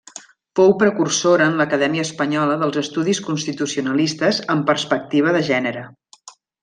Fou precursora en l'acadèmia espanyola dels estudis constitucionalistes amb perspectiva de gènere.